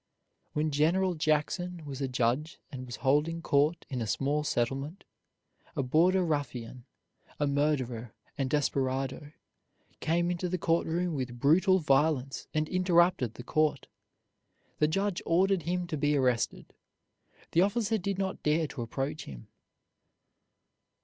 When General Jackson was a judge and was holding court in a small settlement, a border ruffian, a murderer and desperado, came into the court room with brutal violence and interrupted the court. The judge ordered him to be arrested. The officer did not dare to approach him.